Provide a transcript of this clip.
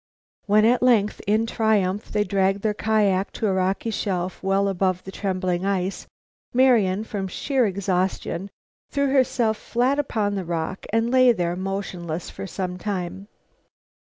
When, at length, in triumph, they dragged their kiak to a rocky shelf well above the trembling ice, Marian, from sheer exhaustion, threw herself flat upon the rock and lay there motionless for some time.